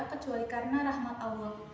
kecuali karena rahmat allah